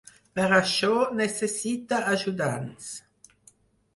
Per això necessita ajudants.